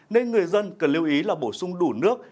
nên người dân cần lưu ý là bổ sung đủ nước